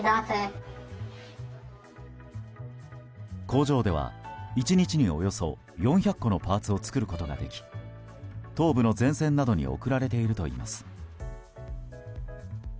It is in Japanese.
工場では１日におよそ４００個のパーツを作ることができ東部の前線などに送られているといいます。